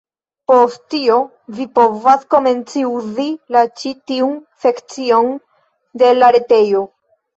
Post tio vi povas komenci uzi la ĉi tiun sekcion de la retejo.